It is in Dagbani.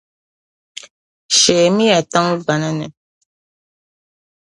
Sheemi ya tiŋgbani ni.